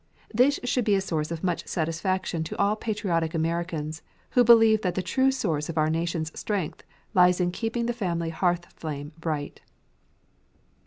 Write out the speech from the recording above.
This should be a source of much satisfaction to all patriotic Americans who believe that the true source of our nation's strength lies in keeping the family hearth flame bright.